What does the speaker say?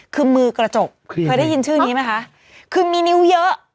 คือมือกระจกเคยได้ยินชื่อนี้ไหมคะคือมีนิ้วเยอะ